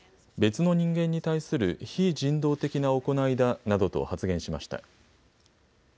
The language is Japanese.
別の人間に対する非人道的な行いだなどと発言しました。